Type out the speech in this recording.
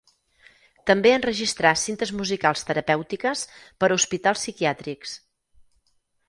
També enregistrà cintes musicals terapèutiques per a hospitals psiquiàtrics.